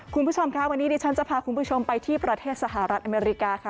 คุณผู้ชมค่ะวันนี้ดิฉันจะพาคุณผู้ชมไปที่ประเทศสหรัฐอเมริกาค่ะ